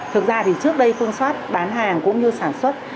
thực ra thì trước đây phương xoát bán hàng cũng như sản xuất